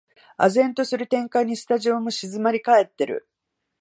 唖然とする展開にスタジオも静まりかえってる